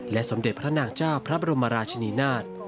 สมเด็จพระนางเจ้าพระบรมราชนีนาฏ